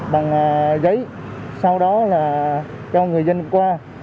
bằng giấy sau đó là cho người dân qua